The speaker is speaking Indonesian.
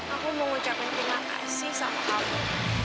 aku mau ucapkan terima kasih sama kamu